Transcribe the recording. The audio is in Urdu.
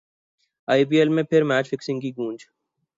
ائی پی ایل میں پھر میچ فکسنگ کی گونج